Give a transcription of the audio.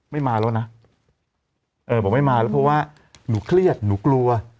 ไม่มาแล้วนะเออบอกไม่มาแล้วเพราะว่าหนูเครียดหนูกลัว